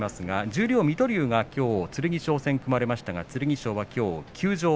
十両水戸龍がきょう剣翔戦組まれましたが剣翔がきょうから休場。